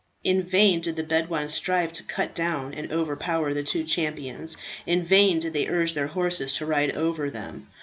In vain did the Bedouins strive to cut down and overpower the two champions; in vain did they urge their horses to ride over them.